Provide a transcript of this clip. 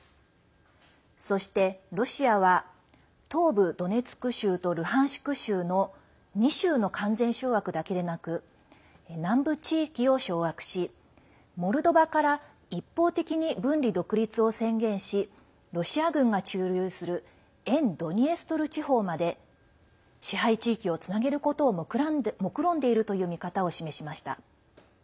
そして、ロシアは東部ドネツク州とルハンシク州の２州の完全掌握だけでなく南部地域を掌握し、モルドバから一方的に分離独立を宣言しロシア軍が駐留する沿ドニエストル地方まで支配地域をつなげることをもくろんでいるという見方を示しました。